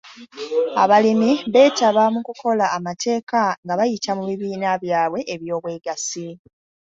Abalimi beetaba mu kukola amateeka nga bayita mu bibiina byabwe by'obwegassi.